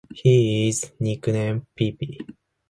He is nicknamed "Pepe".